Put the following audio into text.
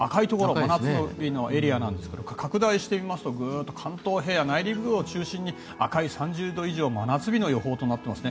真夏日のエリアなんですが拡大してみますと関東エリア、内陸部で赤い３０度以上真夏日の予報となっていますね。